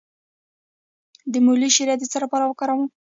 د مولی شیره د څه لپاره وکاروم؟